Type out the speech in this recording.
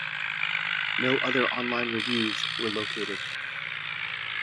No other online reviews were located.